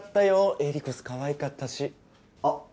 えりこすかわいかったしあっ